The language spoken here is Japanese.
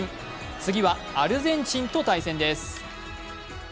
次はアルゼンチンと対戦です。